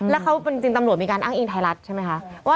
แล้วเขาเป็นจริงตำรวจมีการอ้างอิงไทยรัฐใช่ไหมคะ